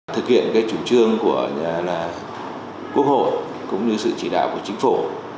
thực hiện chủ trương của quốc hội cũng như sự chỉ đạo của chính phủ